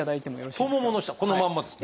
このまんまですね。